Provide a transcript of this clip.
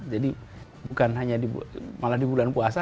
jadi bukan hanya di bulan puasa